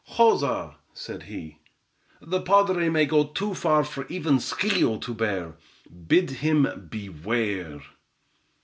"Joza," said he, "the padre may go too far for even Schio to bear; bid him beware!